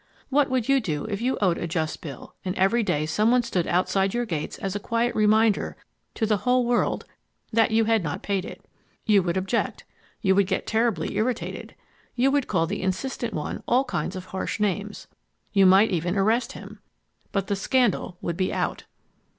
What would you do if you owed a just bill and every day some one stood outside your gates as a quiet reminder to the whole world that you had not paid it? You would object. You would get terribly irritated. You would call the insistent one all kinds of harsh names. You might even arrest him. But the scandal would be out.